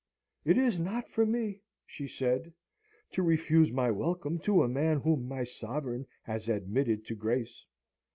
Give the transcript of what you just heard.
"It is not for me," she said, "to refuse my welcome to a man whom my Sovereign has admitted to grace."